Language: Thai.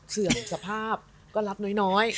เสื่อมสภาพก็รับน้อย